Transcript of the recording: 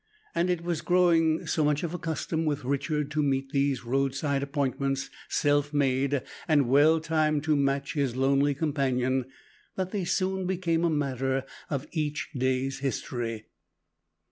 It was growing so much of a custom with Richard to meet these road side appointments, self made, and well timed to match his lonely companion, that they soon became a matter of each day's history.